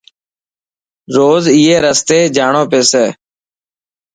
روز اي رستي ڄاڻو پيسي.